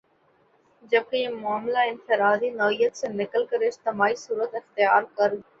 جبکہ یہ معاملہ انفرادی نوعیت سے نکل کر اجتماعی صورت اختیار کر